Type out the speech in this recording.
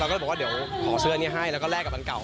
ก็เลยบอกว่าเดี๋ยวขอเสื้อนี้ให้แล้วก็แลกกับวันเก่า